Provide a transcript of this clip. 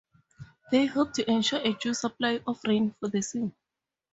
They hoped to ensure a due supply of rain for the seed.